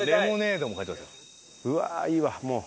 うわいいわもう。